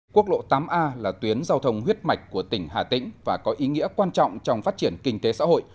quốc lộ tám a là tuyến giao thông huyết mạch của tỉnh hà tĩnh và có ý nghĩa quan trọng trong phát triển kinh tế xã hội